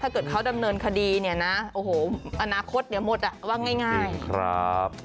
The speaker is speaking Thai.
ถ้าเขาดำเนินคดีอนาคตมดว่าง่าย